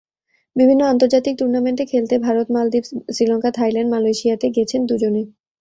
বিভিন্ন আন্তর্জাতিক টুর্নামেন্টে খেলতে ভারত, মালদ্বীপ, শ্রীলঙ্কা, থাইল্যান্ড, মালয়েশিয়াতে গেছেন দুজনে।